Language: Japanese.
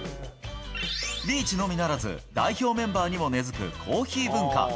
リーチのみならず、代表メンバーにも根づくコーヒー文化。